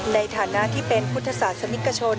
ในฐานะที่เป็นพุทธศาสนิกชน